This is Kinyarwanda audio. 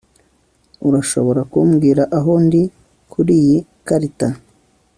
urashobora kumbwira aho ndi kuriyi karita